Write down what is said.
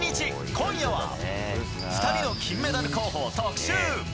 今夜は２人の金メダル候補を特集。